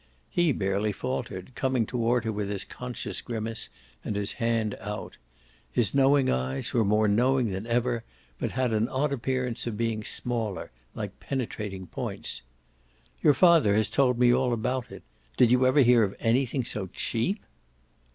He barely faltered, coming toward her with his conscious grimace and his hand out. His knowing eyes were more knowing than ever, but had an odd appearance of being smaller, like penetrating points. "Your father has told me all about it. Did you ever hear of anything so cheap?"